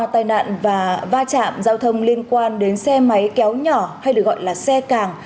tai nạn và va chạm giao thông liên quan đến xe máy kéo nhỏ hay được gọi là xe càng